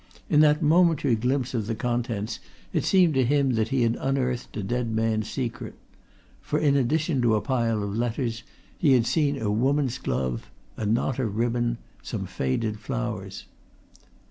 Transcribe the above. In that momentary glimpse of the contents it seemed to him that he had unearthed a dead man's secret. For in addition to a pile of letters he had seen a woman's glove; a knot of ribbon; some faded flowers.